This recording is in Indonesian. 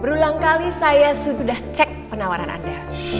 berulang kali saya sudah cek penawaran anda